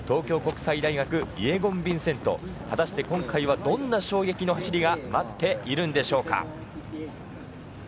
前々回３区、前回２区、区間新記録、東京国際大学イェゴン・ヴィンセント、果たして今回はどんな衝撃の走りがまっているんでしょうか。